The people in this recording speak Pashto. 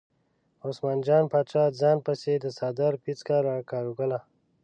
عثمان جان باچا ځان پسې د څادر پیڅکه راکاږله.